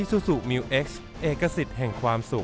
ซูซูมิวเอ็กซ์เอกสิทธิ์แห่งความสุข